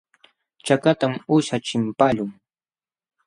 Chakatam uusha chimpaqlun.